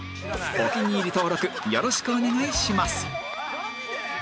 お気に入り登録よろしくお願いします